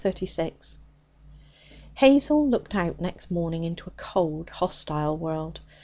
Chapter 36 Hazel looked out next morning into a cold, hostile world.